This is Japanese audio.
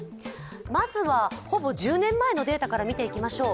まずは、ほぼ１０年前のデータから見ていきましょう。